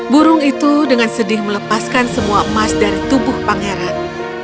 burung itu dengan sedih melepaskan semua emas dari tubuh pangeran